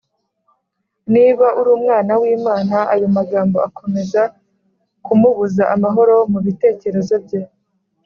” Niba uri Umwana w’Imana.” Ayo magambo akomeza kumubuza amahoro mu bitekerezo bye